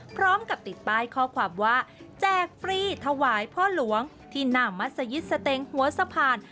พ่อหลวงที่หน้ามัสยิตเสต็งหัวสะพาน